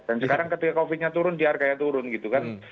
dan sekarang ketika covidnya turun diarkanya turun gitu kan